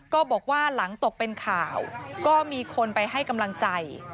ก็บอกว่าหลังตกเป็นข่าวก็มีคนไปให้กำลังใจ